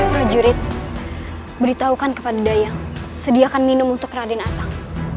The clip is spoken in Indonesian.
prajurit beritahukan kepada dayang sediakan minum untuk raden atang